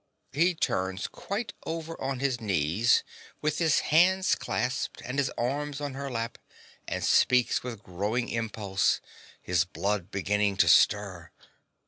(He turns quite over on his knees, with his hands clasped and his arms on her lap, and speaks with growing impulse, his blood beginning to stir.)